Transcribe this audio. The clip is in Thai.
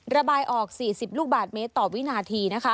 ระบายออก๔๐ลูกบาทเมตรต่อวินาที